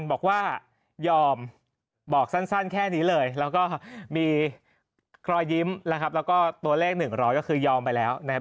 บอกว่ายอมบอกสั้นแค่นี้เลยแล้วก็มีรอยยิ้มนะครับแล้วก็ตัวเลข๑๐๐ก็คือยอมไปแล้วนะครับ